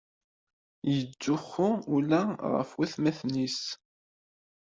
Yettzuxxu ula ɣef watmaten-is.